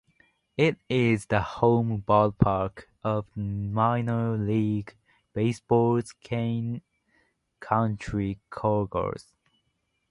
It is the home ballpark of Minor League Baseball's Kane County Cougars.